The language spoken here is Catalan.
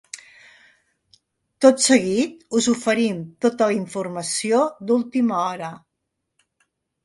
Tot seguit us oferim tota la informació d’última hora.